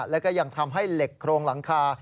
แล้วก็ยังทำให้เหล็กโครงหลังคา